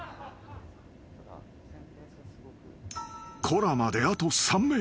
［「コラ！」まであと３ｍ。